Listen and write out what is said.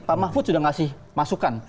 pak mahfud sudah ngasih masukan